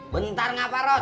bentar nga parot